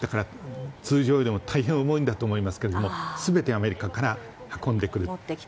通常でも大変重いんだと思いますが全てアメリカから運んでくると。